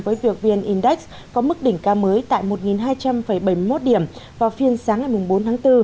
với việc viên index có mức đỉnh cao mới tại một hai trăm bảy mươi một điểm vào phiên sáng ngày bốn tháng bốn